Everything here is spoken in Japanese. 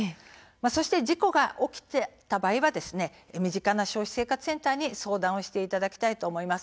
そして事故が起きた場合は身近な消費生活センターに相談をしていただきたいと思います。